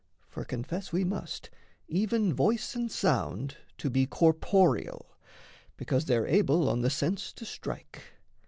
For confess we must Even voice and sound to be corporeal, Because they're able on the sense to strike.